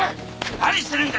何してるんだ。